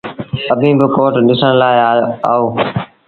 اڀيٚن با ڪوٽ ڏسڻ لآ آئو۔